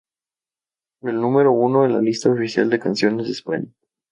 Fue número uno en la lista oficial de canciones de España.